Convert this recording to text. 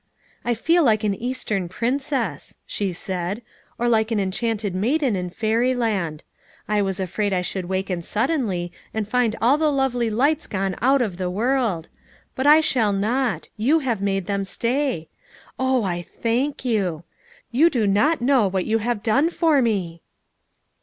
"I feel like an Eastern princess," she said, "or like an enchanted maiden in fairyland. I was afraid I should waken suddenly and find FOUR MOTHERS AT CHAUTAUQUA 95 all the lovely lights gone out of the world; hut I shall not; you have made them stay. Oh, I thank you. You do not know what you have done for me.